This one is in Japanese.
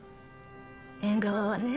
縁側はね